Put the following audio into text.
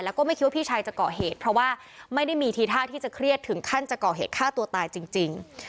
แล้วก็ไม่คิดว่าพี่ชายจะเกาะเหตุเพราะว่าไม่ได้มีทีท่าที่จะเครียดถึงขั้นจะก่อเหตุฆ่าตัวตายจริง